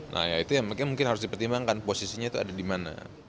nah ya itu yang mungkin harus dipertimbangkan posisinya itu ada di mana